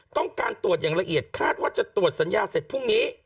ต้องการตรวจอย่างละเอียดคาดว่าจะตรวจสัญญาเสร็จพรุ่งนี้